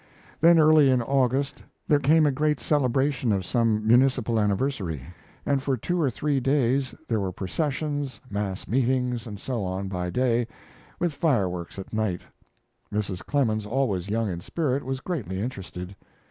Then, early in August, there came a great celebration of some municipal anniversary, and for two or three days there were processions, mass meetings, and so on by day, with fireworks at night. Mrs. Clemens, always young in spirit, was greatly interested.